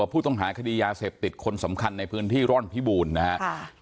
ผู้ต้องหาคดียาเสพติดคนสำคัญในพื้นที่ร่อนพิบูรณ์นะครับ